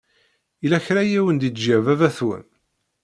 Yella kra i awen-d-yeǧǧa baba-twen?